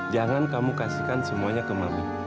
jangan kamu kasihkan semuanya ke malu